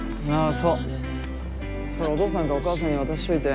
それお父さんかお母さんに渡しといて。